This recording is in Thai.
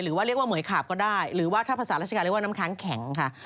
หรือว่าเรียกว่าเหมือยขาบก็ได้หรือว่าถ้าภาษาราชการเรียกว่าน้ำค้างแข็งค่ะ